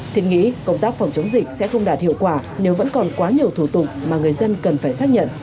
thiết nghĩ công tác phòng chống dịch sẽ không đạt hiệu quả nếu vẫn còn quá nhiều thủ tục mà người dân cần phải xác nhận